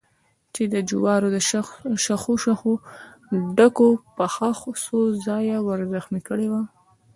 چې د جوارو شخو شخو ډکو پښه څو ځایه ور زخمي کړې وه.